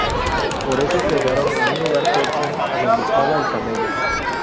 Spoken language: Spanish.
Por eso quedaron en un lugar próximo a donde estaba el camello.